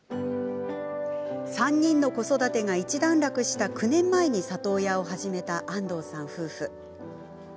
３人の子育てが一段落した９年前に、里親を始めた安藤さん夫婦。